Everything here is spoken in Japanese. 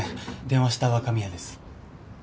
電話した若宮です。